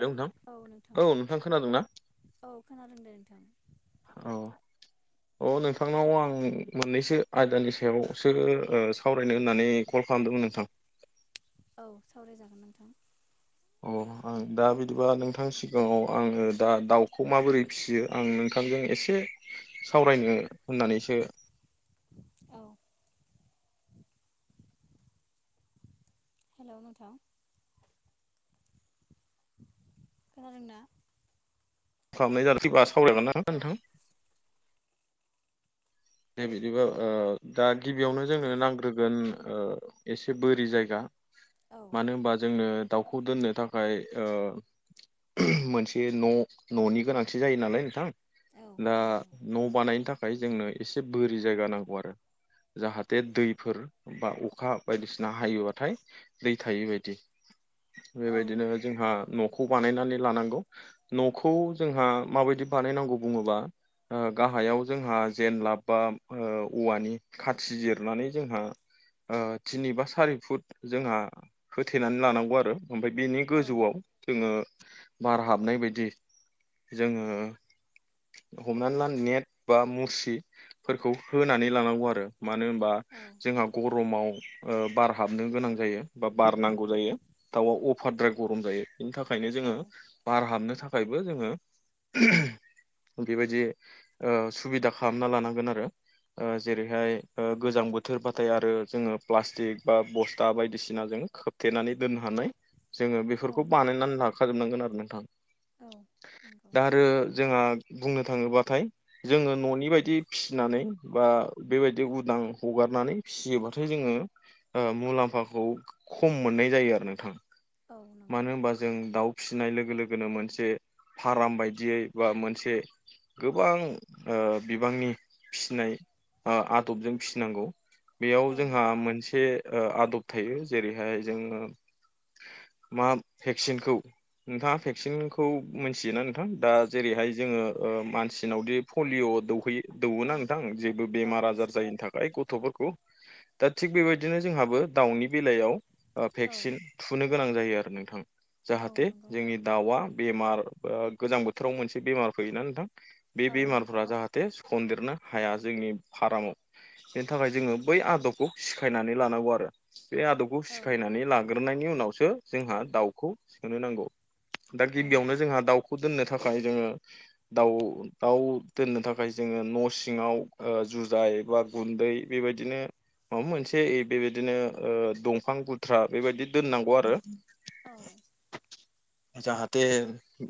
Hello औ नोंथां औ खोनादों दे नोंथां। [inaudible] अ नोंथांनाव आं मोननैसो आयदानि सायावसो सावरायनो होननानै कल खालामदोंमोन। नोथां। औ सावराय जागोन नोंथां। अ आं दा बिदिब्ला नोंथांनि सिगाङाव आङो दा दाउखौ माबोरै फिसियो आं नोंथां नोथांजों एसे सावरायनो होननानैसो‌ औ। हेल' नोंथां। खोनादोंना खालामनायानो फैबा सावरायगोन ना औ नोंथां। दे बिदिब्ला दा गिबियावनो जोंनो नांग्रोगोन एसे बोरि जायगा औ मानो होनोबा जोंनो दाउखौ दोननो थाखाय मोनसे न '-न'नि गोनांथि जायो नालाय नोंथां दा औ नंगौ न' बानायनो थाखाय जोंनो एसे बोरि जायगा नांगौ आरो जाहाथे दैफोर बा अखा बायदिसिना हायोबाथाय दै थायै बायदि औ बेबायदिनो जोंहा न' खौ बानायनानै लानांगौ न'खौ जोंहा माबायदि बानायनांगौ बुङोबा गाहायाव जोंहा जेनलाब बा औवानि खाथि जिरनानै जोंहा थिनि बा सारि फुट जोंहा होथेनानै लानांगौ आरो ओमफ्राय बिनि औ गोजौआव जोङो बार हाबनाय बायदि जोङो हमनानै ला नेट बा मुस रि फोरखौ होनानै लानांगौ आरो मानो होनोबा औ जोंहा गरमाव बार हाबनो गोनां जायो बा बार नांगौ जायो दाउआ अभारद्राय गरम जायो बिनि थाखायनो जोङो बार हाबनो थाखाय थाखायबो जोङो बेबायदि सुबिदा खालामना लानांगोन आरो जेरैहाय गोजां बोथोर बाथाय आरो जोङो प्लास्टिक बा बस्था बायदिसिना जों खोबथेनानै दोननो हानाय जोङो औ बेफोरखौ बानायनानै लाखाजोबनांगोन आरो नोंथां औ नंगौ दा आरो जोंहा बुंनो थाङोबाथाय जोङो न'नि बेबायदि फिसिनानै बा बेबायदि उदां हगारनानै फिसियोबाथाय जोङो मुलाम्फाखौ खम मोननाय जायो आरो नोंथां औ नंगौ मानो होनोबा जों दाउ फिसि सिनाय लोगो लोगोनो मोनसे फारम बायदियै बा मोनसे गोबां बिबांनि फिसिनाय आदबजों फिसिनांगौ बेयाव औ जोंहा मोनसे ओ आदब थायो जेरैहाय जोङो मा भेक्सिनखौ नोंथाङा भेक्सिनखौ मोनथियोना नोंथां दा जेरैहाय जोङो मानसिनावदि पलिअ' दौहैयो दौवोना औ नोंथां जेबो औ बेमार आजार मिथिगौ जायिनि थाखाय गथ'फोरखौ दा थिग बेबायदिनो जोंहाबो दाउनि बेलायाव औ भेक्सिन थुनो गोनां जायो जायो आरो नोंथां औ जाहाथे नंगौ जोंनि दाउआ बेमार गोजां बोथोराव मोनसे बेमार फैयोना नोंथां बे औ नंगौ बेमारफोरा जाहाथे सन्देर सनो हाया जोंनि फारमाव बेनि थाखाय जोङो बै आदबखौ सिखायनानै लानांगौ आरो बे आदबखौ औ सिखायनानै लाग्रोनायनि उनावसो जोंहा दाउखौ सोनो नांगौ दा औ गिबियावनो जोंहा दाउखौ दोननो थाखाय जोङो दाउ दोननो थाखाय जों जोङो न' सिङाव जुजाय बा गुन्दै बेबायदिनो माबा मोनसे बेबायदिनो दंफां गुनद्रा बेबायदि दोननांगौ आरो औ जाहाथे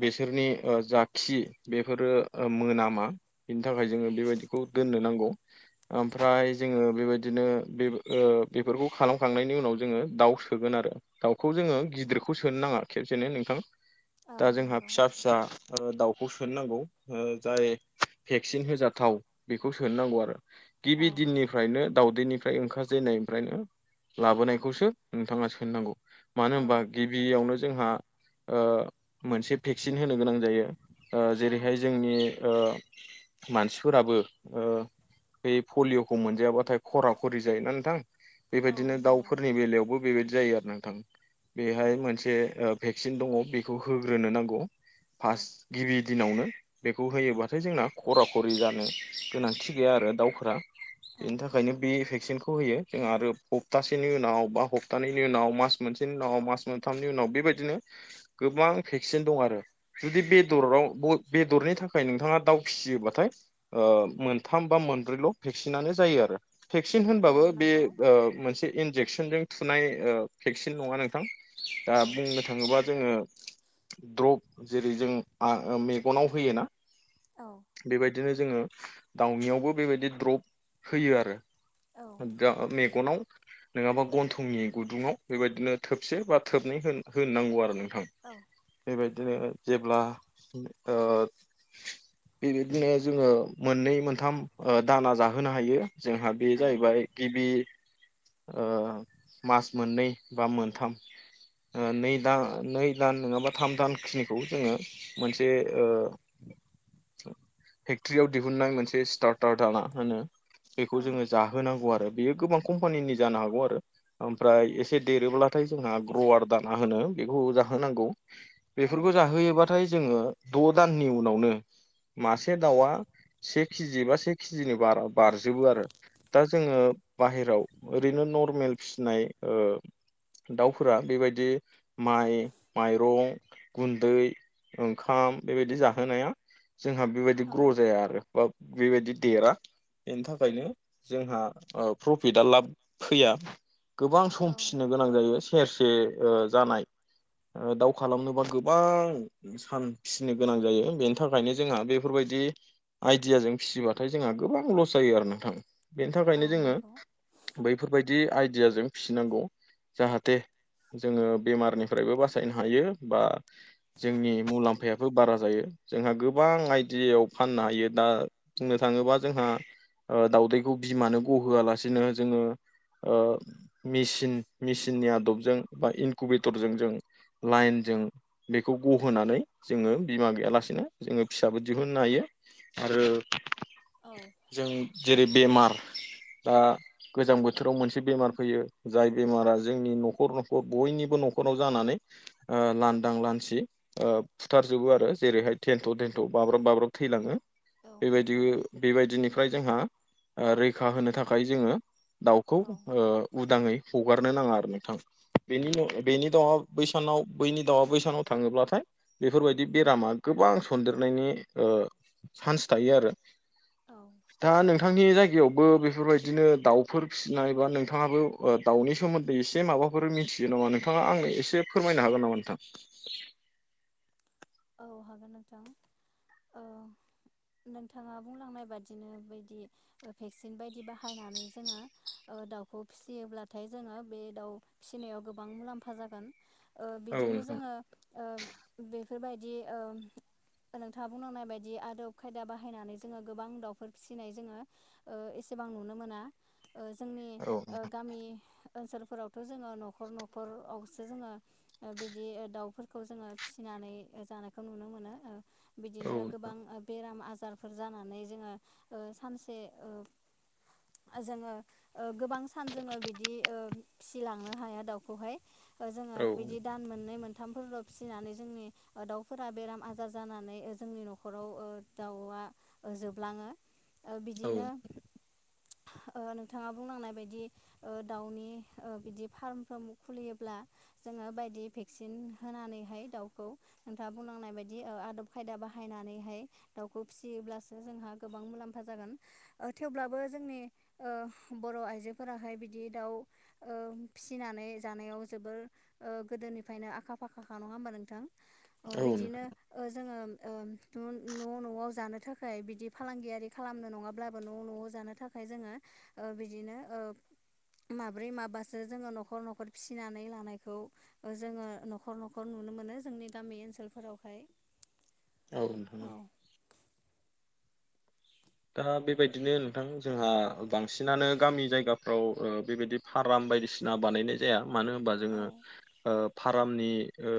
बेसोरनि जा खि बेफोरो मोनामा थाखाय जोङो बेबायदिखौ दोननो नांगौ ओमफ्राय जोङो बेबायदिनो बेफोरखौ खालामखांनायनि उनाव जोङो दाउ सोगोन आरो दाउखौ जोङो गिदिरखौ सोनो नाङा खेबसेनो नोंथां औ दा जोंहा नंगौ फिसा फिसा दाउखौ बेखौ सोनोनांगौ जाय भेक्सिन होजाथाव बेखौ सोनोनांगौ आरो। औ गिबि दिननिफ्रायनो दाउदैनि फ्राय ओंखारजेननायनिफ्रायनो लाबोनायखौसो नोंथाङा सोनोनांगौ मानो औ होनबा गिबियावनो जोंहा ओ मोनसे भेक्सिन होनो गोनां जायो जेरैहाय औ जोंनि ओ मानसिफोराबो ओ बे पलिय'खौ मोनजायाबाथाय खरा खरि जायोना नोंथां औ बेबायदिनो नंगौ दाउफोरनि बेलायावबो बेबायदि जायो आरो नोंथां औ बेहाय मोनसे भेक्सिन दङ बेखौ होग्रोनो नांगौ औ फार्स्ट गिबि दिनावनो बेखौ होयोबाथाय जोंना खरा खरि जानो गोनांथि गैया आरो दाउफोरा औ बेनि थाखायनो बे भेक्सिनखौ होयो जोंङो आरो हप्तासेनि उनाव बा हप्तानैनि उनाव मास मोनसेनि उनाव मास मोनथामनि उनाव बेबायदिनो गोबां भेक्सिन दं आरो जुदि बेदराव बेदरनि थाखाय नोंथाङा दाउ फिसियोबाथाय ओ मोनथाम बा मोनब्रैल' भेक्सिना जायो आरो भेक्सिन औ होनबाबो बे नंगौ मोनसे इनजेकसनजों थुनाय भेक्सिन नङा नोंथां दा औ बुंनो थाङोबा जोङो द्रप जेरै जों मेगनाव होयोना औ बिदिनो जोङो दाउनियावबो बेबायदि द्रप होयो आरो। औ दा मेगनाव नङाबा गन्थंनि गुदुङाव बेबायदिनो थोबसे बा थोबनै होननांगौ आरो नोंथां औ बेबायदि बिदिनो जेब्ला ओ बेबायदिनो जोङो मोननै मोनथाम दाना ओ जाहोनो हायो। जोंहा बे औ जाहैबाय गिबि ओ मास मोननै बा मोनथाम ओ नै दा नै दान नङाबा थाम दानखिनिखो जोङो मोनसे ओ फेक्ट्रियाव दिहुननाय मोनसे स्टार्टार दाना होनो औ बेखौ जोङो जाहोनांगौ आरो बेयो गोबां कम्पानिनि जानो हागौ आरो। औ ओमफ्राय एसे देरोब्ला थाय जोंहा ग्रवार दाना होनो बेखौ जोनांगौ बेफोरखौ औ जाहोयोबाथाय जोङो द' दाननि उनावनो मासे दाउआ से केजि बा से केजिनि बार- बारजोबो आरो। दा जोङो बाहेराव ओरैनो नर्मेल फिसिनाय ओ दाउफोरा बेबायदि माइ माइरं गुन्दै ओंखाम बेबायदि जाहोनाया जोंहा बेबायदि ग्र' औ जाया आरो [unintelligible] बेबायदि देरा बेनि थाखायनो जोंहा ओ प्रफिटआ लाब फैया गोबां औ सम फिसिनो गोनां जायो सेरसे ओ जानाय ओ दाउ खालामनोबा गोबां सान फिसिनो गोनां जायो। बेनि थाखायनो जोंहा बेफोरबाय दि आइदियाजों फिसिबाथाय जोंहा गोबां लस जायो आरो नोंथां। बेनि औ थाखायनो जोङो नंगौ बेफोरबायदि आइडियाजों फिसिनांगौ जाहाथे जोङो बेमारनिफ्रायबो बासायनो हायो बा जोंनि मुलाम्फायाबो बारा जायो। जोंहा गोबां आइडियायाव फाननो हायो दा बुंनो थाङोबा जोंहा दाउदैखौ बिमानो गहोआलासिनो जोङो ओ मेसिन मेसिननि आदबजों बा इनकुउबेटरजों जों लाइनजों बेखौ गहोनानै जोङो बिमा गैयालासेनो जोङो फिसाबो दिहुननो हायो। आरो औ जों जेरै बेमार दा गोजां बोथोराव मोनसे बेमार फैयो जाय बेमारा जोंनि न'खर न'खर बयनिबो न'खराव जानानै ओ लांदां लानसि ओ फुथारजोबो आरो जेरैहाय थेन्थ' थेन्थ' बाब्राब-बाब्राब थैलाङो औ नंगौ बेबायदि-बेबायदिनिफ्राय जोंहा ओ रैखा होनो थाखाय जोङो दाउखौ औ ओ उदाङै हगारनो नाङा आरो नोंथां। औ बेनि न' नंगौ बेनि दाउआ बैसानाव बैनि दाउआ बैस सानाव थाङोब्लाथाय बेफोरबायदि बेरामा गोबां सन्देरनायनि ओ चान्स थायो आरो औ दा नोंथांनि जायगायावबो बेफोरबायदिनो दाउ फोर फिसिनाय बा नोंथाङाबो ओ दाउनि सोमोन्दै एसे माबाफोर मिथियो नामा नोंथाङा आंनो एसे फोरमा [unintelligible] नो हागोन नामा नोंथां औ हागोन नोंथां ओ नोंथाङा बुंलांनाय बादिनो बैदि भेक्सिन बायदि बाहायनानै जोङो ओ दाउखौ फिसियोब्लाथाय जोङो बे दाउ फिसिनायाव गोबां मुलाम्फा जागोन ओ औ बिदिनो नोंथां जोङो ओ बेफोरबायदि ओ नोंथाङा बुंलांनाय बायदि आदब खायदा बाहायनानै जोङो गोबां दाउफोर फिसिनाय जोङो ओ सिबां नुनो मोना ओ जोंनि औ गामि ओनसोलफोरावथ' जोङो न'खर न'खरावसो जोङो बिदि दाउफोरखौ जोङो फिसिनानै जानायखौ नुनो मोनो ओ बिदिनो नोंथां गोबां बेराम - आजार फोर जानानै जोङो ओ सानसे ओ जोङो ओ गोबां सान जोङो बिदि ओ फिसिलांनो हाया दाउखौहाय जोङो औ बिदि दान मोननै मोनथामफोरल' फिसिनानै जोंनि दाउफोरा बेराम - आजार जानानै जोंनि न'खराव ओ दाउआ जोबलाङो औ बिदिनो [inaudible] ओ नोंथाङा बुंलांनाय बायदि ओ दाउनि ओ बिदि फार्मफोर खुलियोब्ला जों जोङो बायदि भेक्सिन होनानैहाय दाउखौ नोंथाङा बुंलांनाय बायदि आदब खायदा बाहायनानैहाय दाउखौ फिसियोब्लासो जोंहा गोबां मु मुलाम्फा जागोन ओ थेवब्लाबो जोंनि ओ बर' आइजोफोराहाय बिदि दाउ ओ फिसिनानै जानायाव जोबोर ओ गोदोनिफ्रायनो आखा फाखा खा नङा होनबा नोंथां ओ नोंथां बिदिनो ओ जोङो ओ न'- न'आव जानो थाखाय बिदि फालांगियारि खालामनो नङाब्लाबो न'- न'आव जानो थाखाय जोङो ओ बिदिनो ओ माब्रै माबासो जोङो न'खर- न'खर फिसिनानै लानायखौ जोङो न'खर- न'खर नु नुनो मोनो जोंनि गामि ओनसोलफोरावहाय औ नोंथां औ ओ बेबायदिनो नोंथां जोंहा बांसिनानो गामि जायगाफ्राव ओ बेबायदि फाराम बायदिसिना बानायनाय जाया मानो होनबा औ जोङो ओ फारामनि ओ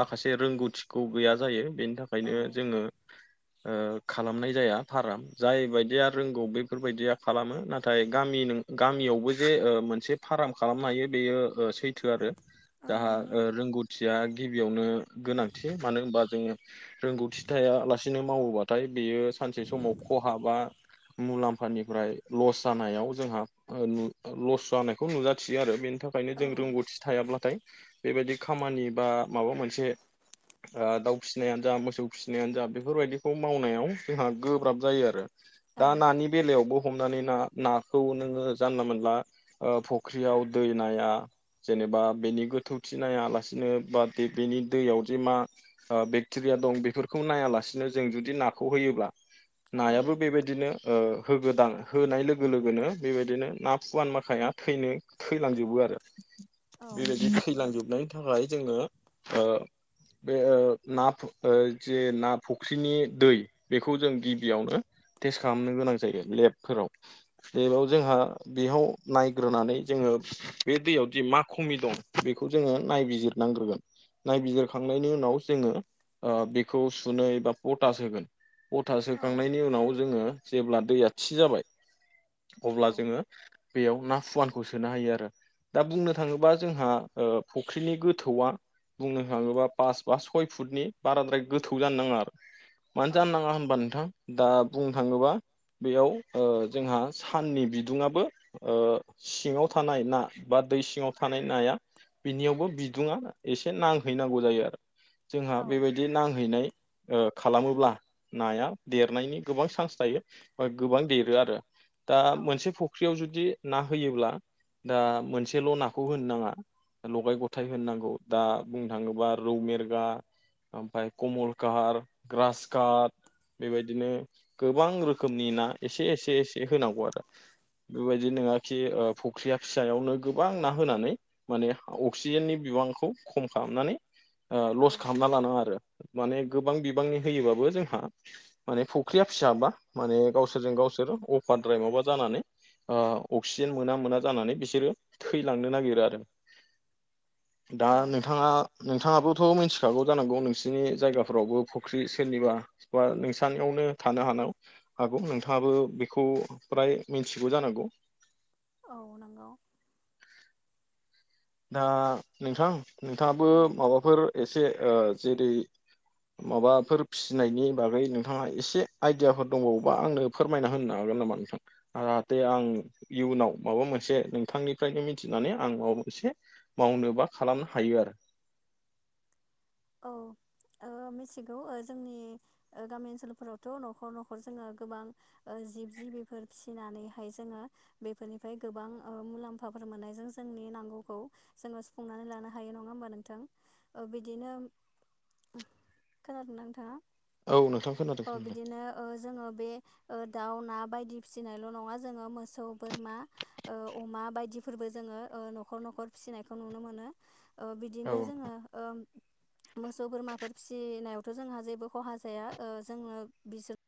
माखासे रोंगौथिखौ गैया जायो बेनि थाखायनो औ जोङो ओ खालामनाय जाया फाराम जाय बायदिया रोंगौ बेफोरबायदिया खालामो नाथाय गामि न गामियावबो जे मोनसे फार्म खालामनो हायो बेयो सैथो आरो दा नंगौ ओ रोंगौथि या गिबियावनो गोनांथि मानो होनबा जोङो रोंगौथि थाया लासेनो मावोबाथाय बे बियो सानसे समाव खहाबा मुलाम्फानिफ्राय लस जानायाव जोंहा ओ लस जानायखौ नुजाथियो आरो बे नि थाखायनो औ जों रोंगौथि थायाब्लाथाय बेबायदि खामानि बा माबा मोनसे ओ दाउ फिसिनायानो जा मोसौ फिसिनायानो जा बेफोरबायाददिखौ मावनायाव जोंहा गोब्राब जायो आरो औ दा नानि बेलायावबो हमनानै ना नाखौ नोङो जानला मोनला ओ फुख्रियाव दै नाया जेनेबा बेनि गोथौथि नायालासिनो बा बेनि दैयाव जे मा ओ बेक्टेरिया दं बेफोरखौ नायालासिनो जों जुदि नाखौ होयोब्ला औ नायाबो बेबायदिनो ओ होगदां होनाय लोगो लोगोनो बेबायदिनो ना फुवान माखाया थैनो थैलांजोबो आरो रो औ बेबायदि थैलांजोबनायनि थाखाय जोङो ओ बे ओ ना जे ना फुख्रिनि दै बेखौ जों गिबियावनो टेस्ट खालामनो गोनां जायो लेबफोराव लेबाव जोंहा बेयाव नायग्रोनानै जोङो ओ बे दैयावदि मा खमि दं बेखौ जोङो नायबिजिरनांग्रोगोन नायबिजिरखांनायनि उनाव जोङो बेखौ सुनै बा पटास होगोन पटास औ सोखांनायनि उनाव जोङो जेब्ला दैया थि जाबाय औ अब्ला जोङो बेयाव ना फुवानखौ सोनो हायो आरो दा बुंनो थाङोबा जोंहा फुख्रिनि गोथौआ बुंनो थाङोबा पास बा सय फुटनि बाराद्राय गोथौ जानो नाङा आरो मानो औ जानो नाङा होनबा नोंथां दा बुंनो थाङोबा बेयाव जोंहा साननि बिदुङाबो सिङाव थानाय ना बा दै सिङाव थानाय नाया बिनियावबो बिदुङा एसे नांहैनांगौ जायो आरो जोंहा बेबायदि नांहैनाय ओ खालामो अब्ला नाया देरनायनि गोबां चान्स थायो बा गोबां देरो आरो दा औ मोनसे फुख्रियाव जुदि ना होयोब्ला दा मोनसेल' नाखौ होनो नाङा लगाय गथाय होननांगौ दा बुंनो थाङोबा रौ मेरगा ओमफ्राय कमलकाट ग्रास काट बेबायदिनो गोबां रोखोमनि ना एसे एसे एसे होनांगौ आरो बेबायदि नङा खि फख्रिया फिसायावनो गोबां ना होनानै माने अक्सिजेननि बि बिबांखौ खम खालामनानै ओ औ लस खालामनानै लानाङाआरो माने गोबां बाबांनि होयोबा बो जोंहा माने फुख्रिया फिसाबा माने गावसोरजों गावसोर अफारद्राय माबा जानानै ओ अक्सिजेन मोना मोना जानानै बिसोरो थैलांनो नागिरो आरो दा औ नोंथाङा नोंथाङाबोथ' मिथिखागौ जानांगौ नोंसिरनि जायगाफोरावबो फुख्रि सोरनिबा बा नोंसनियावनो थानो हानाय हागौ नोंथाङाबो बेखौ फ्राय मिथिगौ जानांगौ औ नंगौ दा नोंथां नोंथाङाबो औ माबाफोर एसे ओ जेरै माबाफोर फिसिनायनि बागै नोंथाङा एसे आइदियाफोर दंबावोबा आंनो फोरमायना होनो हाग गोन नामा नोंथां जाहाथे आं इयुनाव माबा मोनसे नोंथांनिफ्रायनो मिथिनानै आं माबा मोनसे मावनो बा खालामनो हायो आरो औ ओ मिथिगौ ओ जोंनि गामि ओनसोलफोरावथ' न'खर न'खर जोङो गोबां ओ जिब जिबिफोर फिसिनानैहाय जोङो बेफोरनिफ्राय गोबां मुलाम्फाफोर मोननाय जों जोंनि नांगौखौ जोङो सुफुंनानै लानो हायो नंङा होमबा नोंथां ओ बिदिनो खोनादोंना नोंथाङा औ नोंथां खोनादों ओ खोनादों बिदिनो ओ जोङो बे ओ दाउ ना बायदि फिसिनायल' नंङा जोङो मोसौ बोरमा अमा बायदिफोरबो जोंङो ओ न'खर न'खर फिसिनायखौ नुनो मोनो ओ बिदिनो औ जोङो ओ मोसौ बोरमाफोर फिसिनायावथ' जोंहा जेबो खहा जाया ओ जोंनो बिसोर